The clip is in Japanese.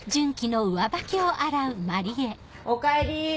おかえり。